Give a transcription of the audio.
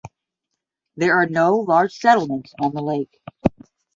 There are no large settlements on the lake.